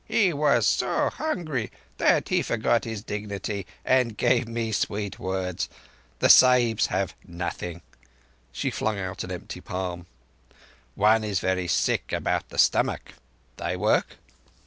He was so hungry that he forgot his dignity and gave me sweet words. The Sahibs have nothing." She flung out an empty palm. "One is very sick about the stomach. Thy work?"